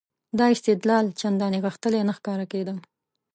دا استدلال چندانې غښتلی نه ښکارېده.